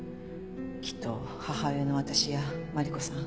きっと母親の私やマリコさん